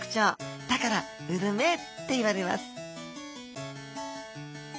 だからウルメっていわれます